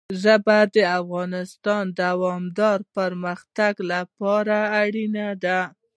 ژبې د افغانستان د دوامداره پرمختګ لپاره اړین دي.